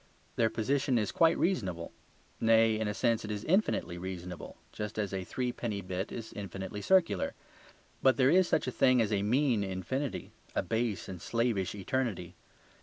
Their position is quite reasonable; nay, in a sense it is infinitely reasonable, just as a threepenny bit is infinitely circular. But there is such a thing as a mean infinity, a base and slavish eternity.